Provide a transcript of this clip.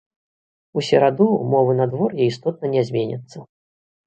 У сераду ўмовы надвор'я істотна не зменяцца.